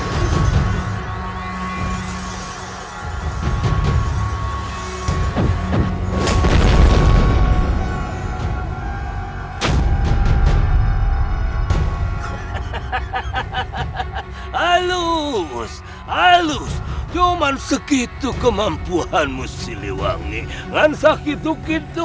hahaha halus halus cuma segitu kemampuanmu si lewangi nggak segitu gitu